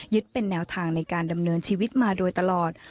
เป็นแนวทางในการดำเนินชีวิตมาโดยตลอด